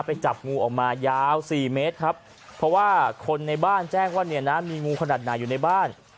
จับงูออกมายาวสี่เมตรครับเพราะว่าคนในบ้านแจ้งว่าเนี่ยนะมีงูขนาดไหนอยู่ในบ้าน